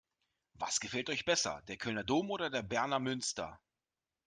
Was gefällt euch besser: Der Kölner Dom oder der Berner Münster?